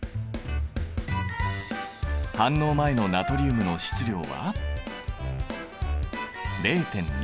反応前のナトリウムの質量は。